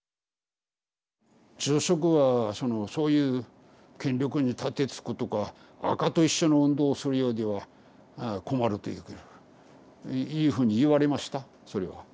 住職はそのそういう権力に盾つくとかアカと一緒の運動をするようでは困るといういうふうに言われましたそれは。